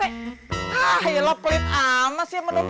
ah yelah pelit amas ya sama nomor